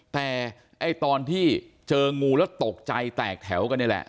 แต่ไอ้ตอนที่เจองูแล้วตกใจแตกแถวกันนี่แหละ